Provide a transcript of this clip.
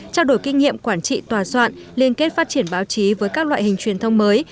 trao đổi kinh nghiệm quản trị tòa soạn liên kết phát triển báo chí với các loại hình truyền thông mới